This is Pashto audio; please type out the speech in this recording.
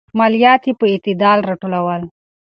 ماليات يې په اعتدال راټولول.